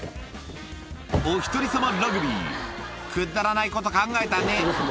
お一人様ラグビー、くっだらないこと考えたね。